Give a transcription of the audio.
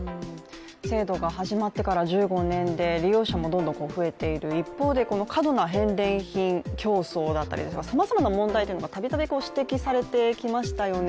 制度が始まってから１５年で利用者もどんどん増えている一方でこの過度な返礼品競争だったりとかさまざまな問題点が度々指摘されてきましたよね。